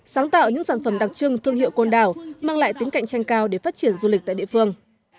sáng tạo những sản phẩm đặc trưng thương hiệu côn đảo mang lại tính cạnh tranh cao để phát triển du lịch tại địa phương